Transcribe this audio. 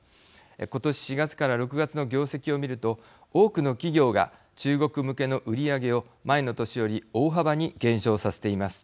今年４月から６月の業績を見ると多くの企業が中国向けの売り上げを前の年より大幅に減少させています。